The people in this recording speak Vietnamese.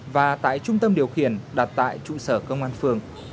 và tại trung tâm điều khiển đặt tại trụ sở công an phường